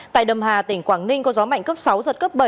tại đầm hà tỉnh quảng ninh có gió mạnh cấp sáu giật cấp bảy